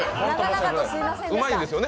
うまいんですよね。